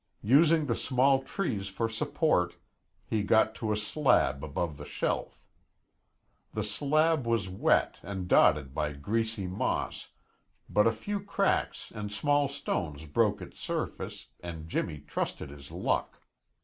Using the small trees for support, he got to a slab above the shelf. The slab was wet and dotted by greasy moss, but a few cracks and small stones broke its surface and Jimmy trusted his luck.